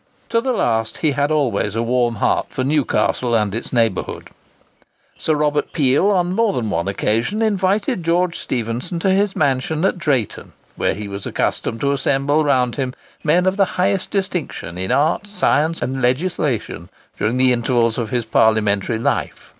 To the last he had always a warm heart for Newcastle and its neighbourhood. Sir Robert Peel, on more than one occasion, invited George Stephenson to his mansion at Drayton, where he was accustomed to assemble round him men of the highest distinction in art, science, and legislation, during the intervals of his parliamentary life.